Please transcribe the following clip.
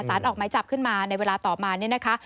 ออกไม้จับขึ้นมาในเวลาต่อมาเนี่ยนะคะ